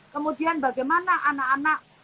kemudian bagaimana anak anak